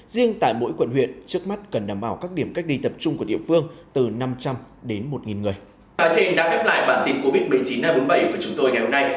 riêng tại mỗi quận huyện trước mắt cần đảm bảo các điểm cách ly tập trung của địa phương từ năm trăm linh đến một người